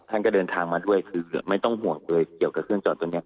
ท่านก็เดินทางมาด้วยคือไม่ต้องห่วงเลยเกี่ยวกับเครื่องจอดตัวนี้